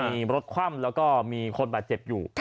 มีรถคว่ำแล้วก็มีคนบาดเจ็บอยู่